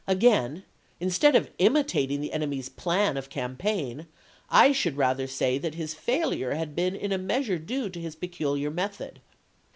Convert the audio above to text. .. Again, instead of imitating the enemy's plan (of campaign), Vol. XVI., I should rather say that his failure had been in a Part II p. 637." measure due to his peculiar method."